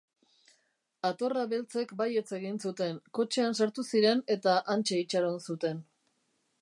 Atorra Beltzek baietz egin zuten, kotxean sartu ziren eta hantxe itxaron zuten.